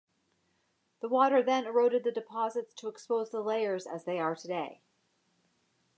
The water then eroded the deposits to expose the layers as they are today.